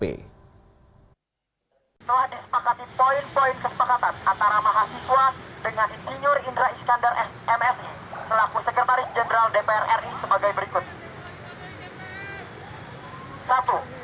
setelah disepakati poin poin kesepakatan antara mahasiswa dengan insinyur indra iskandar msi selaku sekretaris jenderal dpr ri sebagai berikut